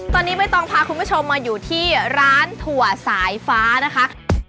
ตอนนี้ไม่ต้องพาคุณผู้ชมมาอยู่ที่ร้านถั่วสายฟ้านะคะ